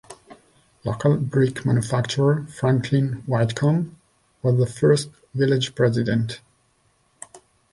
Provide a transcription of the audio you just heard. Local brick manufacturer Franklin Whitcomb was the first Village President.